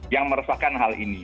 yang meresahkan hal ini